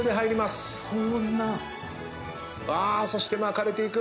そして巻かれていく。